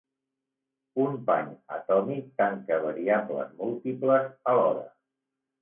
Un pany atòmic tanca variables múltiples alhora.